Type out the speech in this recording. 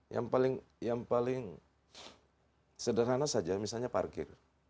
yang paling sederhana saja misalnya parkir